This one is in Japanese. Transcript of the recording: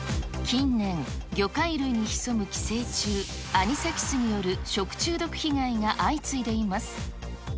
近年、魚介類に潜む寄生虫、アニサキスによる食中毒被害が相次いでいます。